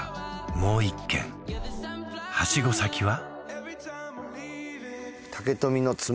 もう一軒はしご先は？